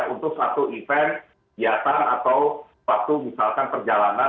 untuk suatu event jatah atau waktu misalkan perjalanan